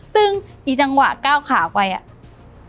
ซึ่งอีจังหวะก้าวขาไปอ่ะ